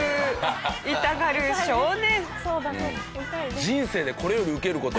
痛がる少年。